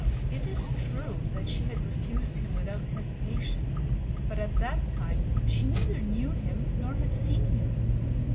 It is true that she had refused him without hesitation, but at that time she neither knew him nor had seen him.